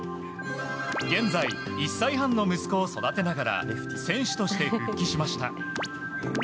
現在、１歳半の息子を育てながら選手として復帰しました。